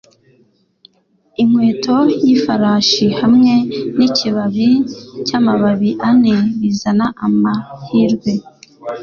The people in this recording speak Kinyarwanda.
Inkweto y'ifarashi hamwe n'ikibabi cy'amababi ane bizana amahirwe.